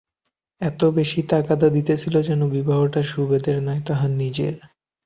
এত বেশি তাগাদা দিতেছিল যেন বিবাহটা সুদেবের নয়, তাহার নিজের।